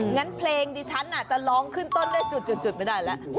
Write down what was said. งั้นเพลงดิฉันจะร้องขึ้นต้นด้วยจุดไม่ได้แล้ว